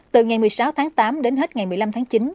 từ ngày một mươi sáu tháng tám đến hết ngày một mươi năm tháng chín